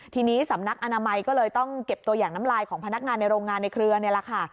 ทีนี้สำนักอนามัยก็เลยต้องเก็บตัวอย่างน้ำลายของพนักงานในโรงงานในเครือนี่แหละค่ะ